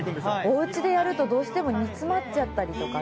「お家でやるとどうしても煮詰まっちゃったりとかね」